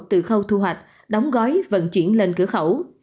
từ khâu thu hoạch đóng gói vận chuyển lên cửa khẩu